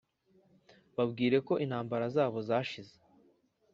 Babwire ko intambara zabo zashize